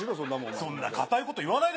そんな堅いこと言わないで。